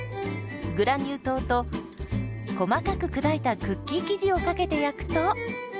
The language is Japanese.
グラニュー糖と細かく砕いたクッキー生地をかけて焼くと。